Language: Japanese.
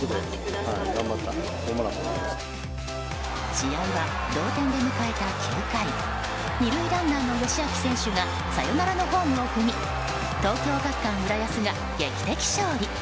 試合は同点で迎えた９回２塁ランナーの佳亮選手がサヨナラのホームを踏み東京学館浦安が劇的勝利。